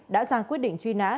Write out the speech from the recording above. đã ra quyết định truy nã